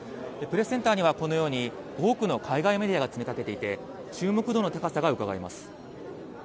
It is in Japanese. プレスセンターにはこのように、多くの海外メディアが詰めかけていて、注目度の高さがうかがえます。